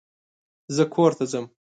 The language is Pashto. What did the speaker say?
زه کور ته ځم